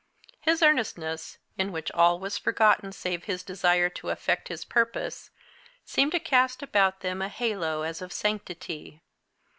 His earnestness, in which all was forgotten save his desire to effect his purpose, seemed to cast about them a halo as of sanctity.